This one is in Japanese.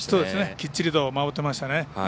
きっちりと守ってました。